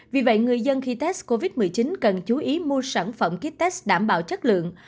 vì vậy người dân khi test covid một mươi chín cần chú ý mua sản phẩm kites đảm bảo chất lượng